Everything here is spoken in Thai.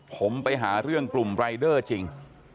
ผมไปหาเรื่องกลุ่มรายเดอร์จริง